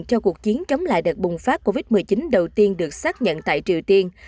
cho cuộc chiến chống lại đợt bùng phát covid một mươi chín đầu tiên được xác nhận tại triều tiên